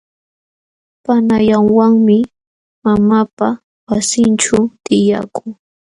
Panallawanmi mamaapa wasinćhuu tiyakuu.